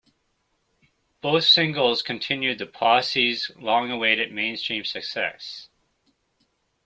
Both singles continued the Posse's long-awaited mainstream success.